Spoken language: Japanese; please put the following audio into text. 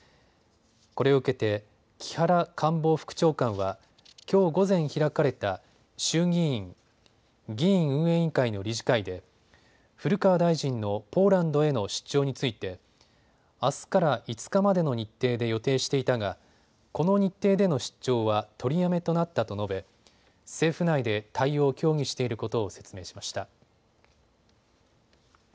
これを受けて木原官房副長官はきょう午前、開かれた衆議院議院運営委員会の理事会で古川大臣のポーランドへの出張についてあすから５日までの日程で予定していたがこの日程での出張は取りやめとなったと述べ政府内で対応を協議していることを説明しました。